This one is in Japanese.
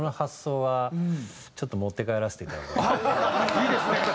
いいですね。